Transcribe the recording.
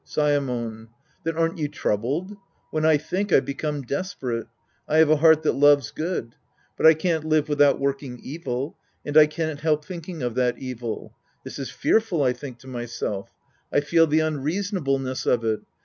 Saemon. Then aren't you troubled ? When I think, I become desperate. I have a heart that loves good. But I can't live without working evil. And I can't help thinking of that evil. " This is fearful," I tliink to myself I feel the unreasonableness of it.